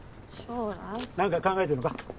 何か考えてるのか。